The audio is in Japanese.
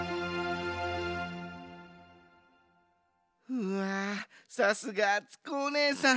うわさすがあつこおねえさん。